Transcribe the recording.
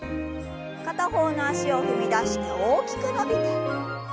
片方の脚を踏み出して大きく伸びて。